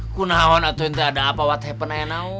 aku tau nanti ada apa what happen aja tau